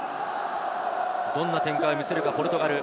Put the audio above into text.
どんな展開を見せるかポルトガル。